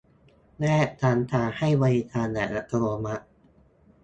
แยกชั้นการให้บริการแบบอัตโนมัติ